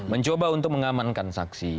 mencoba untuk mengamankan saksi